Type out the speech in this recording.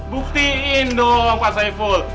buktiin dong pak saiful